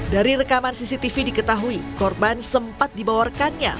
dari rekaman cctv diketahui korban sempat dibawarkannya